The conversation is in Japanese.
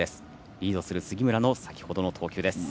リードする杉村の先ほどの投球。